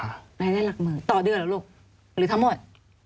รายได้หลักหมื่นต่อเดือนเหรอลูกหรือทั้งหมด